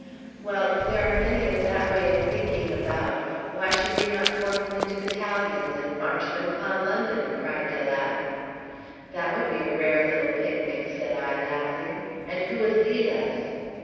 "Well, if there are many of that way of thinking about, why should we not form them into battalions and march them upon London?" cried de Lapp. "That would be a rare little picnic," said I, laughing. "And who would lead us?"